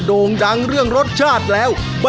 ดีเจนุ้ยสุดจีลา